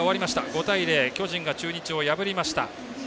５対０、巨人が中日を破りました。